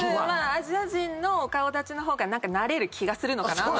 アジア人の顔立ちの方が何かなれる気がするのかなと。